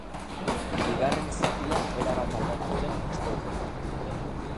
Bigarren zatian erabat aldatu zen istorioa.